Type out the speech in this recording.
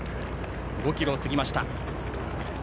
５ｋｍを過ぎました。